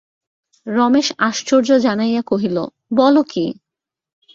রমেশ আশ্চর্য জানাইয়া কহিল, বল কী!